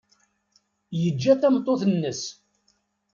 Yeǧǧa tameṭṭut-nnes.